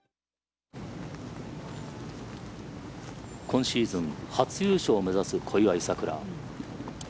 今シーズン初優勝を目指す小祝さくら。